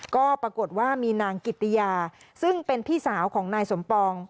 ก็ปรากฏว่ามีนางกิตติยาซึ่งเป็นพี่สาวของนายสมปอง